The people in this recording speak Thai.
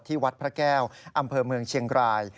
วัดพระแก้วอำเภอเมืองเชียงราย